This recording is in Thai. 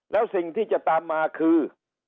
แล้วสิ่งที่จะตามมาคือ